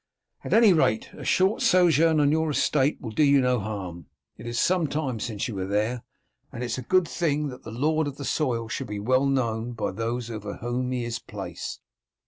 At any rate, a short sojourn on your estate will do you no harm; it is sometime since you were there, and it is a good thing that the lord of the soil should be well known by those over whom he is placed."